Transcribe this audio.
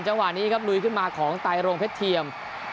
จังหวะนี้ครับลุยขึ้นมาของไตรรงเพชรเทียม